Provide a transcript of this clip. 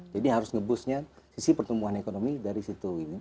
jadi harus nge boost nya sisi pertumbuhan ekonomi dari situ